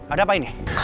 ada apa ini